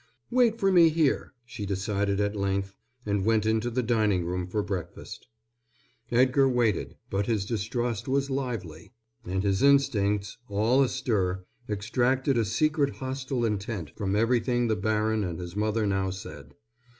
"Wait for me here," she decided at length and went into the dining room for breakfast. Edgar waited, but his distrust was lively, and his instincts, all astir, extracted a secret hostile intent from everything the baron and his mother now said.